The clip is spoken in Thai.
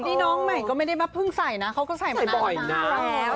นี่น้องใหม่ก็ไม่ได้มาเพิ่งใส่นะเขาก็ใส่มานานแล้ว